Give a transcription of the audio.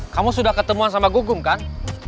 kamu sudah ketemuan sama gugum kan